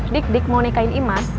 dik dik mau nikahin imas